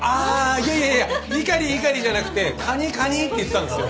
いやいやいや「イカリイカリ」じゃなくて「カニカニ」って言ってたんですよ。